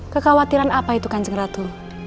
kekhawatiran apa itu kanjeng ratu